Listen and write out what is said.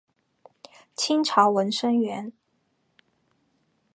清朝文生员。